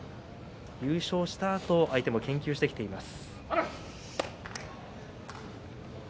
優勝したあと相手も研究してきています。